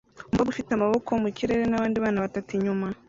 Umukobwa ufite amaboko mu kirere nabandi bana batatu inyuma